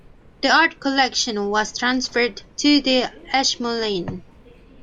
The art collection was transferred to the Ashmolean.